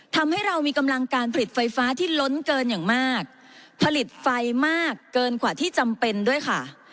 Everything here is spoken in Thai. ทำให้เรามีกำลังการผลิตไฟฟ้าที่ล้นเกินอย่างมากผลิตไฟมากเกินกว่าที่จำเป็นด้วยค่ะ